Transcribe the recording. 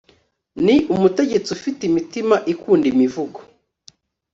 ni umutegetsi ufite imitima ikunda imivugo